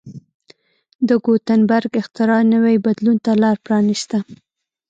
د ګوتنبرګ اختراع نوي بدلون ته لار پرانېسته.